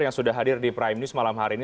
yang sudah hadir di prime news malam hari ini